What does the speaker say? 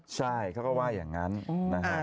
ใช่เขาก็ว่าอย่างนั้นนะฮะ